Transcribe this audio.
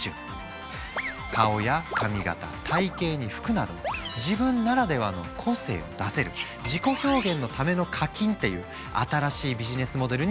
顔や髪形体型に服など自分ならではの個性を出せる自己表現のための課金っていう新しいビジネスモデルになったんだ。